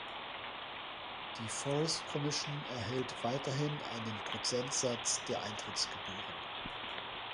Die Forest Commission erhält weiterhin einen Prozentsatz der Eintrittsgebühren.